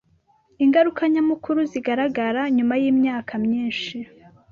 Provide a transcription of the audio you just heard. ingaruka nyamukuru zigaragara nyuma y’imyaka myinshi,